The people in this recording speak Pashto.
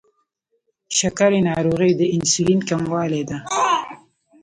شکره ناروغي د انسولین کموالي ده.